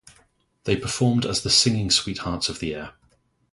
They performed as the Singing Sweethearts of the Air.